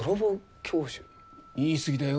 言い過ぎだよ。